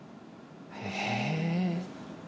へえ。